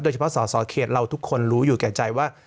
เฉพาะสอสอเขตเราทุกคนรู้อยู่แก่ใจว่า